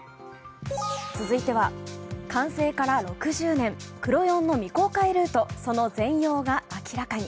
続いては、完成から６０年クロヨンの未公開ルートその全容が明らかに。